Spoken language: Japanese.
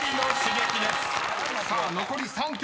［さあ残り３曲。